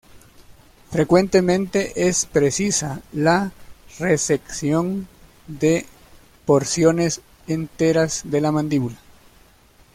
Frecuentemente es precisa la resección de porciones enteras de la mandíbula.